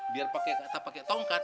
biar pakai kata pakai tongkat